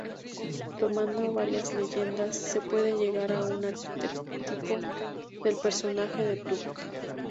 Tomando varias leyendas, se puede llegar a un arquetipo del personaje de Tuck.